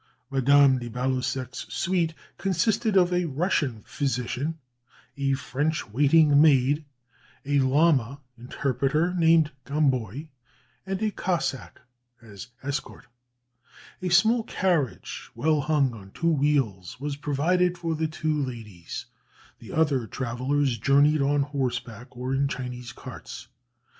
Madame de Baluseck's suite consisted of a Russian physician; a French waiting maid; a Lama interpreter, named Gomboï; and a Cossack (as escort). A small carriage, well hung on two wheels, was provided for the two ladies. The other travellers journeyed on horseback or in Chinese carts.